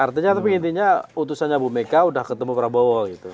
artinya tapi intinya utusannya bu mega udah ketemu prabowo gitu